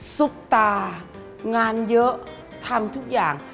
ซุปตางานเยอะทำทุกอย่าง